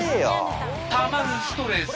［たまるストレス］